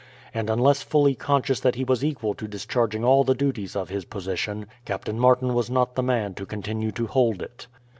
And unless fully conscious that he was equal to discharging all the duties of his position, Captain Martin was not the man to continue to hold it.